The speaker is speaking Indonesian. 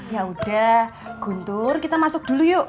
yaudah guntur kita masuk dulu yuk